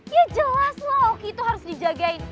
ya jelas lah oki itu harus dijagain